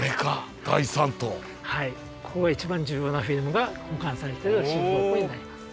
ここが一番重要なフィルムが保管されてる収蔵庫になります。